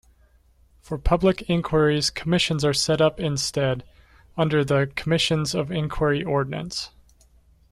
For public inquiries, commissions are set up instead, under the Commissions of Inquiry Ordinance.